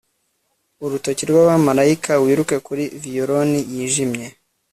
Urutoki rwabamarayika wiruke kuri violon yijimye